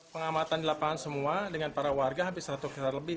pengamatan di lapangan semua dengan para warga hampir seratus hektare lebih